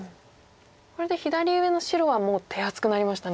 これで左上の白はもう手厚くなりましたね。